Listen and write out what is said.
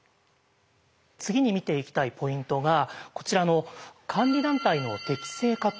次に見ていきたいポイントがこちらの監理団体の適正化というものです。